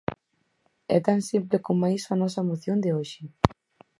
É tan simple coma iso a nosa moción de hoxe.